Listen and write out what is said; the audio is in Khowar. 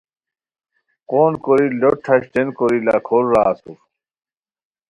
قون کوری لوٹ ٹھاشٹین کوری لاکھور را اسور